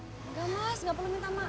enggak mas nggak perlu minta maaf